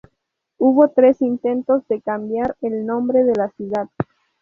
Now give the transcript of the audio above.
Hubo tres intentos de cambiar el nombre de la ciudad.